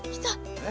えっ？